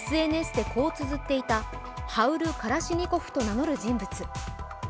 ＳＮＳでこうつづっていたハウル・カラシニコフと名乗る人物